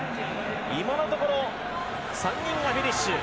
今のところ３人がフィニッシュ。